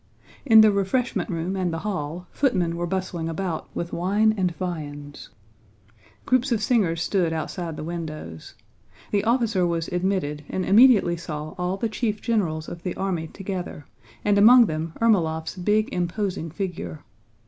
In the refreshment room and the hall, footmen were bustling about with wine and viands. Groups of singers stood outside the windows. The officer was admitted and immediately saw all the chief generals of the army together, and among them Ermólov's big imposing figure.